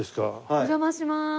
お邪魔します。